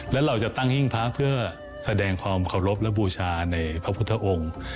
และเราจะตั้งหิ้งพระเพื่อแสดงความเคารพและบูชาในพระพุทธองค์